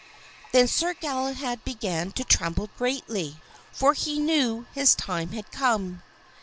Then Sir Galahad began to tremble greatly, for he knew his time had come.